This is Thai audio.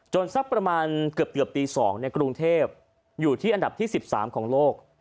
สักประมาณเกือบตี๒ในกรุงเทพอยู่ที่อันดับที่๑๓ของโลก